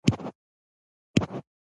د سرپل په ګوسفندي کې د څه شي نښې دي؟